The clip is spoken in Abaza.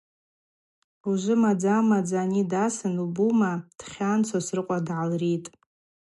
Ужвы мадза-мадза ани дасын, убума, дхьан Сосрыкъва дгӏалритӏ.